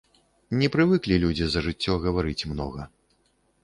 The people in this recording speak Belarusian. Не прывыклі людзі за жыццё гаварыць многа.